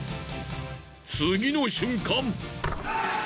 次の瞬間。